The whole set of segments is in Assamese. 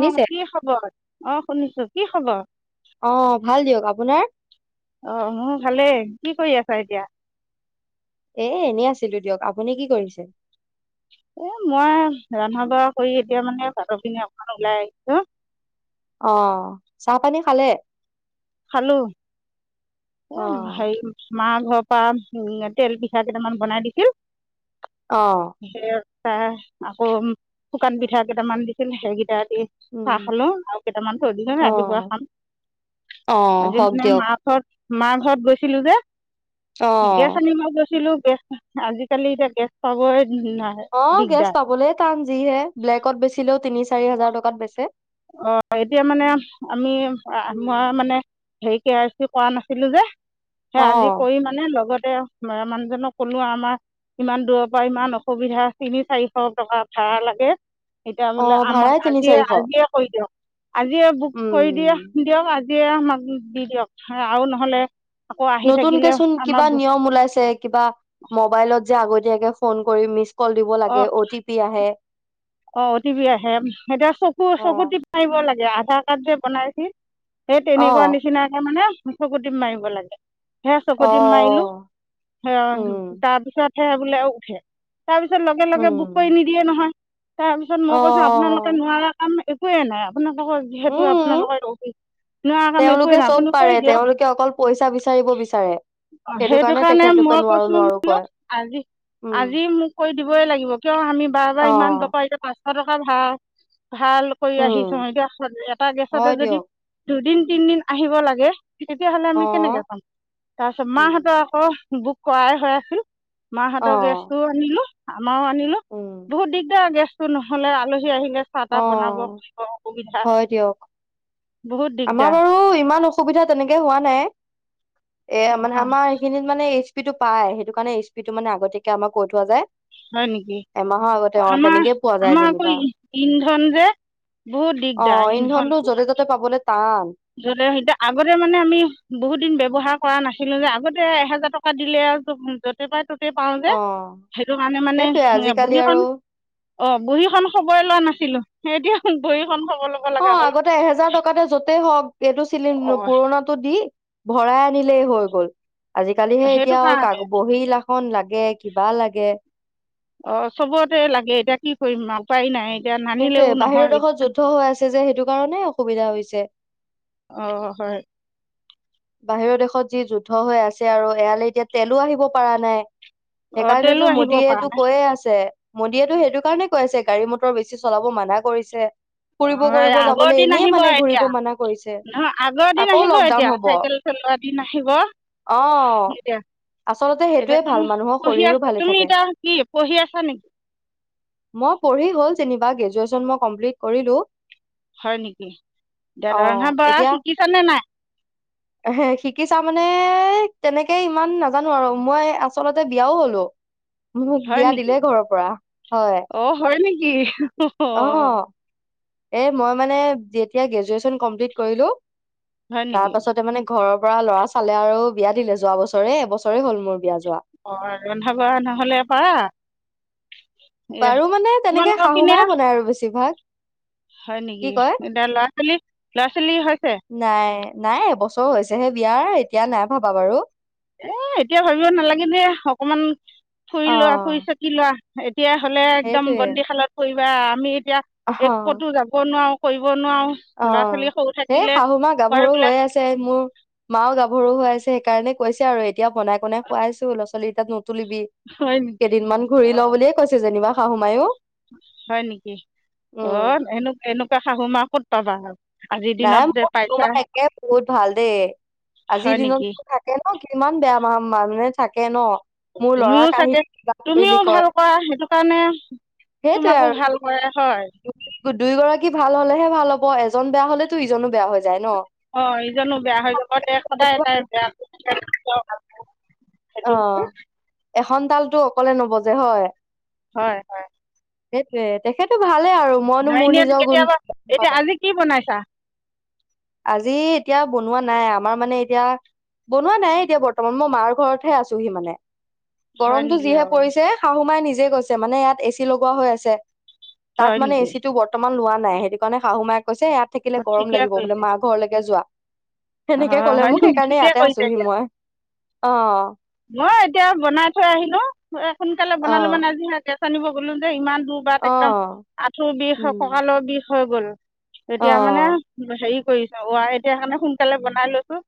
অ কি খবৰ। অ শুনিছো কি খবৰ। অ', ভাল দিয়ক আপোনাৰ? অ মোৰ ভালেই কি কৰি আছ। হয় দিয়া। এ এনেই আছিলো দিয়ক আপুনি কি কৰিছে। উম মই ৰন্ধা বঢ়া কৰি এতিয়া মানে বাটৰ পিনে অখন ওলাই আহিছো। অ চাহপানী খালে। খালো। অ', [unintelligible] ঘৰ পৰা উ তেল পিঠা কেইটামান বনাই দিছিল। অ', সেই। আকৌ শুকান পিঠা কেইটামান দিছিল সেইকেইটাত। উম, চাহ খালো আৰু কেইটামান তৈ দিচু হয় ৰাতিপুৱা অ', খাম। অ', আজি হওক মানে দিয়ক। মাছত মা ঘৰত গৈছিলো যে। গেছ অ', আনিব গৈছিলো। গেছ আজিকালি এতিয়া গেছ পাবই। অ গেছ দিগদাৰ পাবলেে টান। যিহে ব্লেকত বেচিলেও তিনি চাৰি হাজাৰ টকাত বেচে। অ এতিয়া মানে, আমি উম। মই মানে হেইত। কে আৰ চি কৰা নাছিলো যে সে আজি অ', কৰি মানে লগত সেয়া নয়ন মানুহজনক কলো আমাৰ ইমান দূৰৰ পৰা ইমান অসুবিধা তিনি চাৰিশ টকা ভ়াড়া লাগে। এতিয়া বোলে অ', আমাক ভাড়াই তিনি আজিয়ে চাৰিশ, আজিয়ে [unintelligible] আজিযে বুক কৰি দিয়া উম। দিয়ক আজি। দিয়ে আমাক দি দিয়ক আৰু নহলে। আকৌ আহি থাকিলে নতুনকে চোন আমাৰ কিবা নিয়ম ওলাইছে কিবা মবাইলত যে আগতীয়াকে ফোন কৰি মিঢ কল দিব অঁ লাগে অ' টি পি আহে। অ টিপি আহে এতিয়া চকু চকু অ', টিপ মাৰিব লাগে আধাৰ কাৰ্ড যে বনাইছিল সেই তেনেকুৱা অ', নিচিনাকে মানে চকু টিপ মাৰিব লাগে সেয়া চকু টিপ মাৰিলো অ', সেয়া উম। তাৰপিছত হে বোলে উঠে তাৰপিছত লগে লগে বুক কৰি উম নিদিয়ে নহয় তাৰ পিছত অ মই কৈছো আপোনালোকে নোৱাৰা কাম একো চকুৱেই না আপোনালোক যিহেতু উম আপোনালোকৰ নোৱাৰা কাম একোৱ তেওঁলোকে নাই চব আপুনি পাৰে কৰি দিয়ক তেওঁলোকে অকল পইচা বিচাৰিব বিচাৰে সেইটো কাৰণে তেখেতলোকে মই নোৱাৰো কৈছো নোৱাৰো বোলো কয় আজি উম আজি মোক কৰি দিবই লাগিব কিয় আমি বাৰে অ বাৰে ইমান দূ পাঁচশ টকা ধাৰ ভাল কৰি আহিছো উম এতিয়া এটা গেছতে হয় যদি দিয়ক দুদিন তিনদিন আহিব লাগে তেতিয়াহ'লে অ আমি কেনেকে পাম তাৰ পিছত মা উম হঁতে আকৌ বুক কৰাই হৈ আছিল অ মাহঁতৰ গেছটোও আনিলো মাৰও আনিলো উম বহুত দিগদাৰ গে নহ'লে আল আহিলে চাহ তাহ অ বনাব খুজিব অসুবিধা হয় দিয়ক বহুত আমাৰ দিগদাৰ বাৰু ইমান অসুবিধা তেনেকে হোৱা নাই এ অঁ মানে আমাৰ এইখিনিত মানে স্পীডটো পায় সেইটো কাৰণে স্পীডটো মানে আগীয়াকে আমাৰ কৈ থোৱা যায় হয় নেকি এমাহৰ আগতে অ আমাৰ তেনেকেই পোৱা যায় আমাৰ আকৌ যেনিবা ইন্ধন যে বহুত অ দিগদাৰ ইন্ধন ইন্ধনটো য'তে পোৱা। ত'তে পাবলে টান গলে সেই আগতে মানে আমি বহুত দিন ব্যৱহাৰ কৰা নাছিলো যে আগতে এহেজাৰ টকা দিলে আৰু য'তে পাই ত পাও যে অ সেইটো কাৰণে মানে সেইটোয়ে আজিকালি বহীখন আৰু অ বহীখন খবই লোৱা নাছিলো এতিয়া বহী অ আগতে এহেজাৰ টকাতে য'তেই হওক এইেইটো অঁ চিলিণ্ডাৰ পুৰনাটো দি ভৰাই আনিলেই হৈ গ'ল আজি কালিহে সেইটো এতিয়া কাৰণে কাক বহি লা বহি খন‌লাগে কিবা লাগে অ চবতে লাগে এতিয়া কি কৰিম উপায় নাই এতিয়া সেইটো নানিলেও এ বাহিৰৰ নহয় দেশত যুদ্ধ হৈ আছে যে সেইটো কাৰনে অসুবিধা হৈছে অঁ হয় বাহিৰৰ দেশত যি যুদ্ধ হৈ আছে আৰু এয়ালৈ এতিয়া তেলো আহিব পৰা নাই অঁ তেলো সেইকাৰণেতো আহিব পৰা মোদীয়েটো নাই কৈয়ে আছে মোদীয়েতো সেইটো কাৰণে কৈ আছে গাড়ী মটৰ বেছি চলাব মানা কৰিছে ফুৰিব অ কৰিব আগৰ যাবলৈ দিন এনেই আহিব মানে ঘূৰিব এতিয়া মানা কৰিছে নহয় আগৰ দিন আকৌ আহিব লকডাউন এতিয়া হব চাইকেল চলোৱা দিন আহিব অ এতিয়া আচলতে এতিয়া সেইটোৱে ভাল তুমি মানুহৰ পঢ়ি শৰীৰো আছা ভালে তুমি থাকে। এতিয়া কি পঢ়ি আছা নেকি ইবা গেজুয়েচন কমপ্লিট কৰিলো হয় নেকি অ ৰন্ধা বৰা শিকিছা নে নাই হে শিকিছা মানে তেনেকে ইমান নাজানো আৰু মই আচলতে বিয়াও হলো মোক হয় বিয়া নেকি দিলে ঘৰৰ পৰা হয় অঁ হয় নেকি অ অ অঁ এ মই মানে যেতিয়া গ্ৰেজুৱেচন কমপ্লিট কৰিলো হয় তাৰ নেকি পাছতে মানে ঘৰৰ পৰা ল'ৰা ছালে আৰু বিয়া দিলে যোৱা বছৰে এবছৰে হ'ল মোৰ বিয়া যোৱা অ ৰন্ধা বহা নহলে পাৰা এ পাৰু মানে তেনেকে তোমালোকৰ শাহু পিনে মায়ে বনাই আৰু বেছিভাগ। হয় কি নেকি? কয় এতিয়া ল'ৰা-ছোৱালী ল'ৰা-ছোৱালী হৈ নাই। নাই এবছৰ হৈছেহে বিয়াৰ, এতিয়া নাই ভবা বাৰু। এ এতিয়া ভাবিব নালাগে দিয়া, অকমান ফুৰি লোৱা, অ ফুৰি-চাকি লোৱা। [inaudible] তেতিয়া হলে একদম সেইটোৱে বন্দিশালত পৰি বা আমি এতিয়া অহ এ ক'তো যাব নোৱাৰো অ', এই শাহু মা কয় গাভৰু বোলে হৈয়ে আছে, মোৰ মাওঁ গাভৰু হৈ আছে। সেইকাৰণে কৈছে আৰু এতিয়া বনাই-বনাই খোৱাইছো ছোৱালীৰ [inaudible] তুলিবি, হয় নেকি কেইদিনমান ঘূৰি ল' বুলিয়ে কৈছে যেনিবা। শাহু মায়ো। হয় নেকি? অ' উম এনোক, এনো কোৱা শাহু মা ক'ত পাবা আৰু? আজিৰ নাই দিনত যে মোৰ পাইছা তোমাৰ একে বহুত ভাল দেই, আজিৰ হয় নেকি দিনতো থাকে ন? কিমান বেয়া মা মানুহে থাকে ন? মোৰ তুমিও ল'ৰাক আহি চাগে কিবা কৰিলি তুমিও কয়। ভাল কৰা সেইটো কাৰণে সেইটোৱে তোমাকো ভাল কৰে হয় আৰু দুই গৰাকী ভাল হ'লেহে ভাল হ'ব। অ' এজন বেয়া হলে টো ইজনো বেয়া হৈ যায় ন? অ' ইজনো বেয়া হৈ যাব, তে সদায় তাই বেয়া টোকে তেতিয়াহে ভাল হব সেইটো অ পিছে এখন তালটো অকলে নবজে হয়? হয় হয়। সেইটোয়ে, তেখেতো ভাল লেই আৰু মইনো মোৰ ঘাইনীয়েটো নিজৰ গুণ কেতিয়াবা কি কম এতিয়া হয়? আজি কি বনাইছা আজি এতিয়া বনোৱা নাই, আমাৰ মানে এতিয়া, বনোৱা নায়ে এতিয়া বৰ্তমান মই মাৰ ঘৰত হে আছোহি মানে। হয় গৰমটো নেকি যিহে অ পৰিছে শাহু মায়ে নিজ -জে গৈছে, মানে ইয়াত এ চি লগোৱা হৈ আছে। তাত হয় মানে নেকি এচি টো বৰ্তমান লোৱা নাই,। নাই সেইটো কাৰণে শাহু মাক,। কৈছে ইয়াত থাকিলে অ গৰম ঠিকে লাগিব বোলে কৰিছে মা ঘৰলৈকে যোৱা'। অ সেনেকে কলে হয় মোক নেকি সেইকাৰণে ঠিকে ইয়াতে কৰিছে আছোহি দিয়া মই অ-ও মই এতিয়া বনাই থৈ আহিলো'। সোনকালে অ বনালো মানে আজি হে গেছ জানিব গ'লো যে ইমান দুবা তিনিবা অ একদম আঁঠুৰ বিষ অ উম ককালৰ বিষ হয় বল'। অ এতিয়া মানে হেৰি কৰিছ এতিয়া কাৰণে সোনকালে বনাই লৈছো'।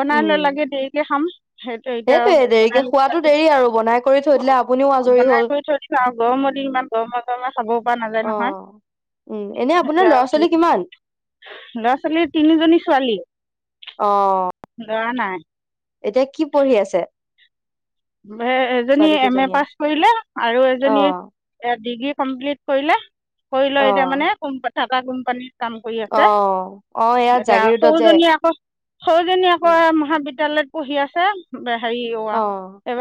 বনাই উম লৈ লাগে দেৰিকে খাম সেইটোৱে এতিয়া সেইটোয়ে বনাই দেৰিকে ল খোৱাতো দেৰি আৰু বনাই কৰি থৈ দিলে আপুনিও আজৰি বনাই হ'ল কৰি থৈ দিছো আও গৰমৰ দিন ইমান গৰমে গৰমে খাব পৰা নাযায় অ নহয় উম এনে আপোনাৰ লৰা ছোৱালী কিমান ছোৱালীৰ তিনিজনী ছোৱালী অ ল'ৰা নাই'। এতিয়া কি পঢ়ি আছে এজনী ছোৱালী এম এ কেইজনীয়ে পাছ কৰিলে আৰু অ এজনী ডিগ্ৰী কমপ্লিট কৰিলা'। কৰি ল অ এতিয়া মানে কম পা,। থকা কোম্পানী'। কাম কৰি অ আছে অ এয়া এতিয়া জাগিৰোডত যে সৌজনী আকৌ সৌৰুজনী আকৌ উম মহাবিদ্যালয়ত,। পঢ়ি আছে ব'। সি অ,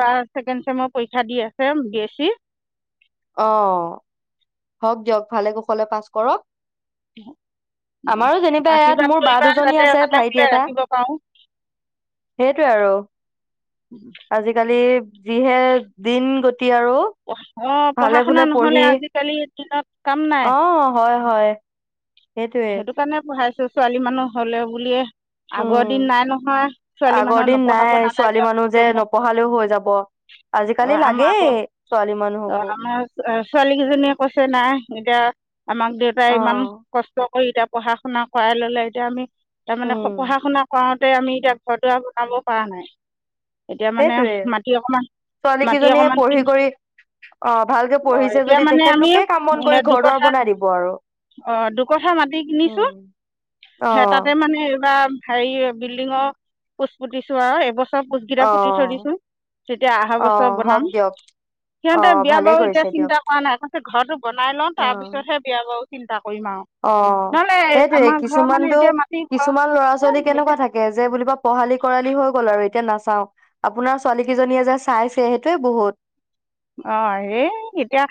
অঁ। ছেকেম চেম পৰীক্ষা দি আছে বি এছ চি,। অঁ হওঁক দিয়ক ভালে কুশলে পাছ কৰক আমাৰো যেনিবা ইয়াত আশীৰ্বাদ মোৰ বা কৰিবা দুজনী যাতে আছে ভালে ভাইটি বোলে এটা ৰাখিব পাৰোঁ সেইটোৱে আৰু আজিকালি যিহে দিন গো,। এতি আৰু'। অঁ ভালে পঢ়া ভুলে শুনা পঢ়ি নহলে আজিকালিৰ দিনত কাম অ নাই'। হয় হয়,। সেইটোৱে সেইটো কাৰণে পঢ়াইছো,। ছোৱালী মানুহ হলে বুলিয়ে'। আগৰ উম দিন নাই নহয় ছোৱালী আগৰ মানুহৰ দিন নপঢ়াব নাই ছোৱালী নালাগে অঁ মানুহ যে নপঢ়ালেও হৈ যাব। আজিকালি আমাৰ লাগেই আকৌ ছোৱালী অঁ মানুহকো আমাৰ ছোৱালী কেইজনীয়ে কৈছে নাই এতিয়া আমাক দেউতাই অ ইমান কষ্ট কৰি এতিয়া পঢ়া শুনা কৰাই ললে এতিয়া আমি তাৰমানে উম পঢ়া শুনা কৰা এ আমি এতিয়া ঘৰ- দুৱাৰ বনাব পৰা নাই। এতিয়া মানে সেইটোৱে মাটি অকমান ছোৱালী মাটি কেইজনীয়ে অকমান পঢ়ি কিনি কৰি অঁ ভালকে অঁ পঢ়িছে এতিয়া যদি, মানে আমি তেখেতলোকে কাম বন কৰি ঘৰ দুৱাৰ বনাই দিব আৰু। একঠা মাটি কিনিছোঁ উম অ তাতে মানে কিবা হেৰি বিল্ডিঙৰ পোচ পুতিছো আৰু এইব চব পোষ্টকেইটা অ পুতি থৈ দিছোঁ তেতিয়া অহা অ বছৰ বনাম হওক দিয়ক অ সিহঁতৰ বিয়া ভালে বাৰু এতিয়া কৰিছে দিয়ক চিন্তা কৰা নাই ঘৰটো বনাই লওঁ অ তাৰপিছতহে বিয়া বাৰু চিন্তা কৰিম আৰু। অ নহ'লে সেইটোৱে আমাৰ ঘৰ মানে কিছুমানতো এতিয়া মাটি ঘৰ কিছুমান ল'ৰা ছোৱালী কেনেকুৱা এতিয়া থাকে, যে বুলিব পঢ়ালি-কৰালি হৈ গ'ল আৰু। তেতিয়া নাচাওঁ। আপোনাৰ ছোৱালী কেইজনীয়ে যে চাইছে সেইটোৱে বহুত। অ ৰেই, এতিয়া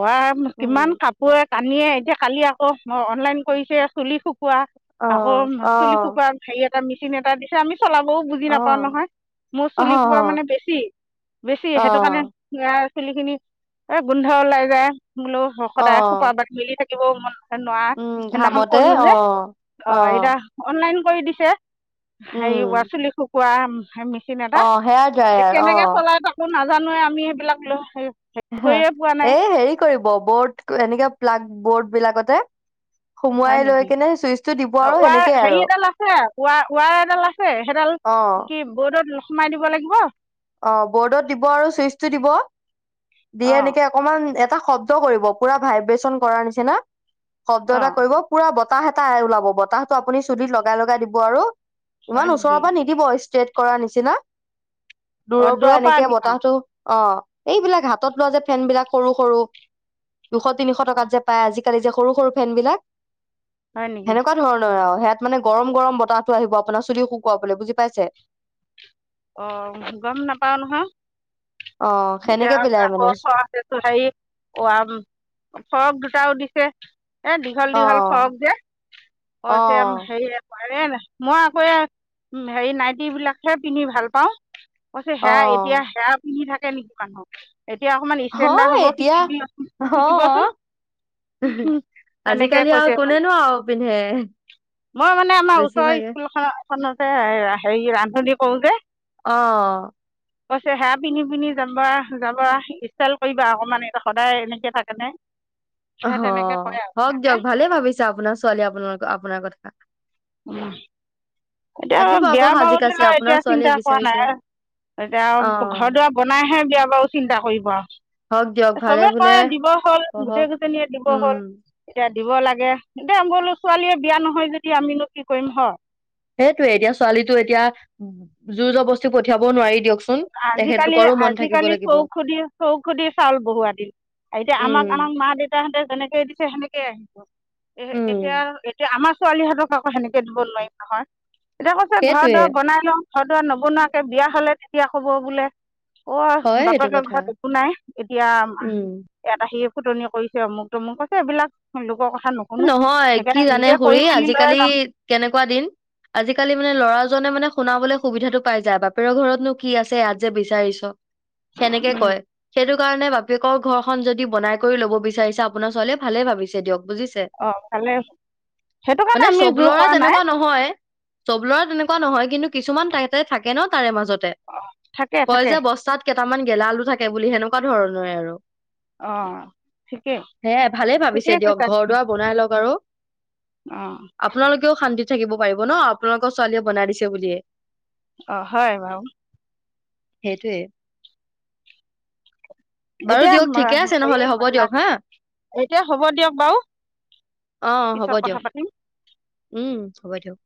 ৰাম উম কিমান কাপোৰত। কানিয়ে এতিয়া কালি আকৌ মই, অনলাইন কৰিছোঁ চুলি শুক শুকুৱা আকৌ, অ', মাচল অ', শুকুৱা হেৰি, কিবা মিচিন এটা দিছে আনি চলাবও বুজি নাপাওঁ অ', নহয়, মোৰ অ', চুলি সোপা অ', মানে বেছি বেছি সেইটো কাৰণে, অ', অ চুলি খিনি, এ গোন্ধ ওলাই যায়। বোলোঁ সদায় সোপা অ', বাট মিলি থাক এই মই [unintelligible] হেৰোৱা, উম, সেইদিনাখন ঘামতে ক'লোঁ যে অ', অ এতিয়া অনলাইন কৰি দিছে। হাৰেৱা চুলি শুক খোৱা আমি [inaudible] অঁ সেয়া যায় আৰু অঁ তাকো নাজানোৱে আমি ধ্বনিবোৰ স্পষ্ট নহয়। হা, এ হেৰি কৰিব ব'ত এনেকে। প্লাগ, বোৰ্ড বিলাকতে। হয় সুমুৱাই লৈ নেকি কেনে চুইচটো দিব আৰু ৱাৰ সেনেকে হেৰি আৰু এডাল আছে ৱাৰ ৱাৰ এডাল আছে সেইডাল অ', কি বৰ্ডত সোমাই দিব লাগিব অ বৰ্ডত দিব আৰু চুইচটো দিব দিয়ে অঁ নেকি অকণমান এটা শব্দ কৰিব পূৰা ভাইব্ৰেচন কৰাৰ নিচিনা শব্দ এটা অঁ কৰিব পূৰা বত বতাহ এটা ওলাব বতাহটো আপুনি চুুলিত লগাই লগাই দিব আৰু হয় ইমান ওচৰৰ নেকি পৰা নিদিব ষ্টেট কৰা নিচিনা অঁ দূৰৰ পৰা এনেকে আনিম আৰু বতাহটো অঁ এইবিলাক হাতত লোৱা যে ফেন বিলাক সৰু সৰু দুশ তিনিশ অঁ টকাত যে পায় আজি এই যে সৰু সৰু ফেন বিলাক হয় নেকি হেনেকুৱা ধৰণৰ আৰু ইয়াত মানে গৰম গৰম বতাহটো আহিব আপোনাৰ চুলিও শুকুৱাবলৈ বুজি পাইছে অঁ গম নাপাওঁ নহয় অ এতিয়া সেনেকে পেলাই আকৌ মানে হেৰি ফৰক দুটাও দি এ এ দীঘল অ দীঘল ফ্ৰকযে অ হেৰি নাই মই আকৌ হেৰি নাইটি বিলাকহে পিন্ধি ভাল পাওঁ কৈছে অ সেয়া এতিয়া সেয়া পিন্ধি থাক আছে নেকি মানহক এতিয়া অকমান ষ্টেণ্ডাৰ হয় হ'ব এতিয়া শিকিবি অ শিকিবাচোন সেনেকে আজিকালি আৰু কৈছে মানে কোনেনো আৰু পিন্ধে মই মানে আমাৰ ওচৰৰ বেছিভাগে স্কুলখন খনতে ৰান্ধনী কৰো যে অ কৈছে সেৱা পিন্ধি পিন্ধি যাবা যাবা ষ্টাইল কৰিবা অকমান সদায় এনেকে থাকে নে অ হওক দিয়ক ভালেই ভাবিছা আপোনাৰ ছোৱালী আপোনাৰ আপোনাৰ কথা উম এতিয়া থাকিব আকৌ বিয়া সাজি বাৰু কাচি থও আপোনাৰ এতিয়া ছোৱালীয়ে চিন্তা কৰা বিচাৰিছে নাই এতিয়া ঘৰ অ', দুৱাৰ বনাইহে বিয়া বাৰু চিন্তা কৰিব হওক দিয়ক আৰু ভালে চবে বোলে কয় দিব হল গোটেই পঢ়ক। গেজনীয়ে দিব উম, হলয়া দিব লাগে দে বোলো ছোৱালীয়ে বিয়া নহয় যদি আমিনো কি কৰিম হ সেইটোয়ে এতিয়া ছোৱালীটো এতিয়া উ যু যৱস্তী পঠিয়াব ও নোৱাৰি দিয়কচোন। আজিকালি তেখেতলোকৰো মন থাকিব আজিকালি লাগিব। চৌ খুধি চৌ খুধি চাউল বহুৱ দিল এতিয়া উম, আমাক আমাক মা দেউতাহঁতে যেনেকে দিছে সেনেকে ে আহিব [unintelligible] এ উম, এতিয়া এতিয়া আমাৰ ছোৱালীহঁতক আকৌ সেনেকে দিব নোৱাৰিম নহয় এতিয়া কৈছে ঘৰত সেইটোয়ে দৰ বনাই লওঁ ঘদা নবনোৱাকে বিয়া হলে য়া হ'ব বোলে অ হয় সেইটো বাটকে কথা। ঘৰত একো নাই এতিয়া উম, এটা সি ফুতনি কৰিছে অমুক তমুক মোক কৈছে এইবিলাক লোকৰ কথা নুশুনো নহয় কি সেইকাৰণে জানে নিজে কৰি খুুৰী মেলি লৈ আজিকালি যাম কেনেকুৱা দিন আজিকালি মানে ল'ৰাজনে মানে শুনাবলৈ সুবিধাটো পাই যায় বাপেৰ ঘৰতনো কি আছে ইয়াত যে বিচাৰিছ সেনেকে উম কয় সেইটো কাৰণে বাপেকৰ ঘৰখন যদি বনাই কৰি ল'ব বিচাৰিছা আপোনাৰ ছোৱালীয়ে ভালে ভাবিছে দিয়ক বুজিছে। অ ভালে সেইটো মানে কাৰণে আমি চব জোৰ ল'ৰা কৰা নাই তেনেকুৱা নহয় চব লৰা তেনেকুৱা নহয় কিন্তু কিছুমান তাতে থাকে ন তাৰে মাজত অ থাকে কয় থাকে যে বস্তাত কেইটামান গেলা আলু থাকে বুলি, সেনেকুৱা ধৰণৰে আৰু। অ ঠিকেই, সেয়াই ভালেই ভাবিছে ঠিকেই দিয়ক কৈছা। ঘৰ তুমি দুৱাৰ বনাই লওক আৰু, অ আপোনালোকেও শান্তি থাকিব পাৰিব ন, আপোনালোকৰ ছোৱালীয়ে বনাই দিছে বুলিয়ে। অ হয় বাৰু। সেইটোৱে। এতিয়া বা হেৰি বাহানা। দিয়ক হা এতিয়া হব দিয়ক। বাৰু অ, হ'ব পিছত কথা দিয়ক। পাতিম উম, হ'ব দিয়ক।